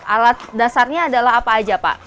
alat dasarnya adalah apa aja pak